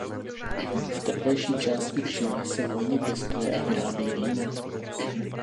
V teplejší části Chile se hojně pěstuje a vyrábí víno.